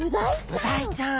ブダイちゃん。